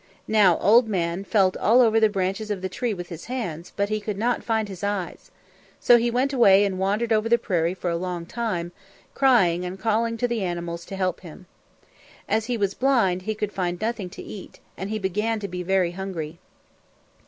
Now Old Man felt all over the branches of the tree with his hands, but he could not find his eyes. So he went away and wandered over the prairie for a long time, crying and calling to the animals to help him. As he was blind, he could find nothing to eat, and he began to be very hungry.